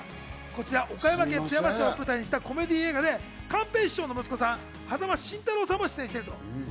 こちら岡山県津山市を舞台にしたコメディ映画で間寛平さんと、息子・間慎太郎さんも出演していると。